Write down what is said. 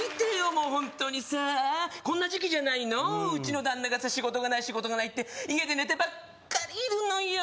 もう本当にさこんな時期じゃないのうちの旦那がさ仕事がない仕事がないって家で寝てばっかりいるのよ